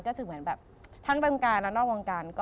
ก็อาจจะเหมือนแบบทั้งเป็นวงการแล้วนอกวงการ